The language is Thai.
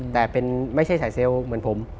แต่ไม่ใช่สายเซลล์เหมือนผม